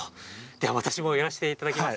では私もやらせていただきます。